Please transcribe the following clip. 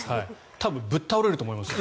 多分ぶっ倒れると思いますよ。